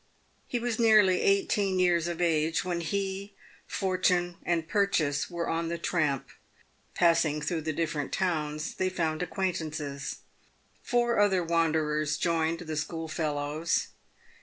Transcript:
He was nearly eighteen years of age when he, Fortune, and Purchase were on the tramp. Passing through the different towns they found acquaintances. Pour other wanderers joined the schoolfellows.